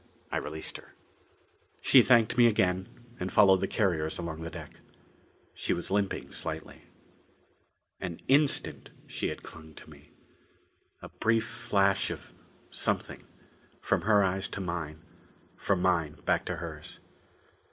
I released her. She thanked me again and followed the carriers along the deck. She was limping slightly. An instant she had clung to me. A brief flash of something, from her eyes to mine from mine back to hers.